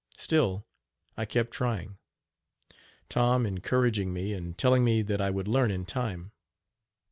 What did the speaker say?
Still I kept trying. Tom encouraging me and telling me that I would learn in time.